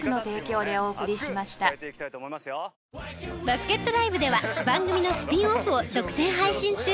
バスケットＬＩＶＥでは番組のスピンオフを独占配信中！